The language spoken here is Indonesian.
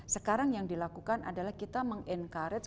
sekarang yang dilakukan adalah kita meng encourage